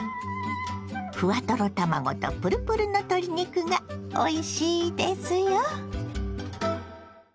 ふわトロ卵とプルプルの鶏肉がおいしいですよ。